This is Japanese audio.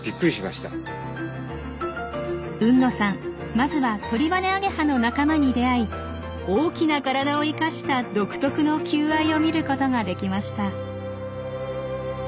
まずはトリバネアゲハの仲間に出会い大きな体を生かした独特の求愛を見ることができました。